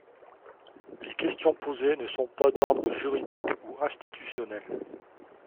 Les questions posées ne sont pas d’ordre juridique ou institutionnel.